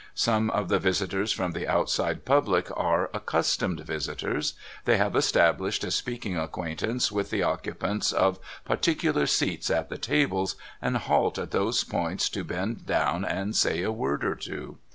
Some of the visitors from the outside public are accustomed visitors. They have established a speaking acquaintance with the occupants of particular seats at the tables, and halt at those points to bend down and say a word or two.